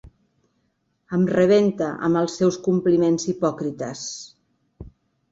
Em rebenta amb els seus compliments hipòcrites.